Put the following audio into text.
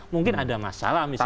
mungkin ada masalah misalnya